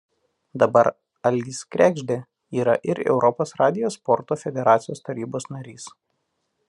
Dabar Algis Kregždė yra ir Europos radijo sporto federacijos tarybos narys.